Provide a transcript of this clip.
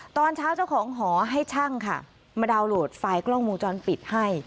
ตอนเช้าเจ้าของหอให้ช่างค่ะมาดาวน์โหลดไฟล์กล้องวงจรปิดให้